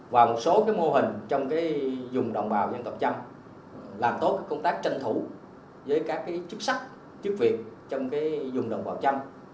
và một số mô hình trong dùng đồng bào dân tộc chăm làm tốt công tác tranh thủ với các chức sách chức việc trong dùng đồng bào trăm